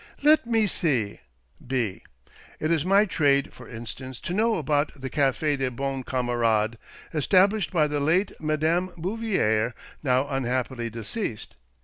"Let me see — B. It is my trade, for instance, to know about the Cafe des Bons Camarades, established by the late Madame Bouvier, now unhappily deceased.